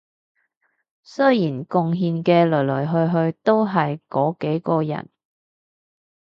雖然貢獻嘅來來去去都係嗰幾個人